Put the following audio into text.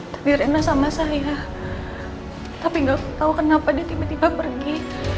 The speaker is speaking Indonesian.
tadi rina sama saya tapi enggak tahu kenapa dia tiba tiba pergi